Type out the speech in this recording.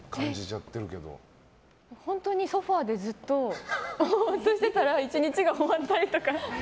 本当にソファでずっとボーっとしてたら１日が終わったりとか。